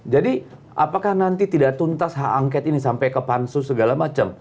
jadi apakah nanti tidak tuntas hak angket ini sampai ke pansu segala macam